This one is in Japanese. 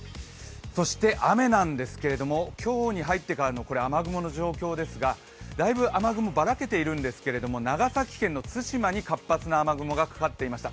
そして雨なんですけれども、今日に入ってからの雨雲の状況ですが、だいぶ雨雲、ばらけているんですけれども長崎県の対馬に活発な雨雲がかかっていました。